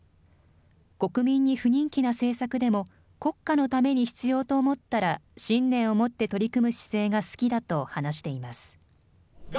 国民に不人気な政策でも、国家のために必要と思ったら、信念を持って取り組む姿勢が好きだと話しています。